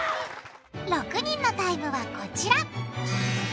６人のタイムはこちら。